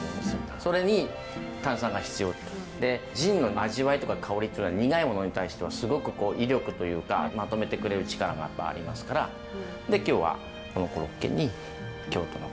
それに炭酸が必要と。でジンの味わいとか香りっていうのは苦いものに対してはすごく威力というかまとめてくれる力がやっぱありますからで今日はこのコロッケに京都のクラフトジンのソーダ割り。